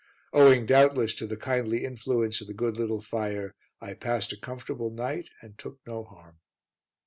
Owing, doubtless, to the kindly influence of the good little fire, I passed a comfortable night and took no harm.